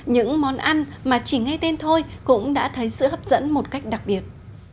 những món ăn mà chỉ ngay tên thôi cũng đã thấy sự hấp dẫn một cách đặc biệt